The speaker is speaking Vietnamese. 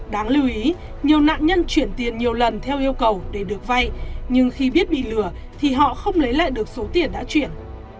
đáng lưu ý nhiều nạn nhân chuyển tiền nhiều lần theo yêu cầu để được vay nhưng khi biết bị lừa thì họ không lấy lại được số tiền đã chuyển